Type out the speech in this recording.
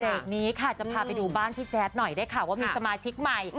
นี้ค่ะจะพาไปดูบ้านพี่แจ๊ดหน่อยได้ค่ะว่ามีสมาชิกใหม่